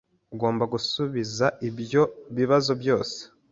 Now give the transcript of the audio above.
Ugomba gusubiza ibyo bibazo byose.